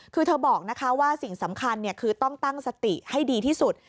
คือเธอบอกนะคะว่าสิ่งสำคัญคือต้องตั้งสติให้ดีที่สุด